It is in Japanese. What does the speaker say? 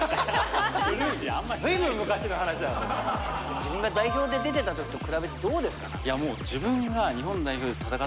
自分が代表で出てた時と比べてどうですか？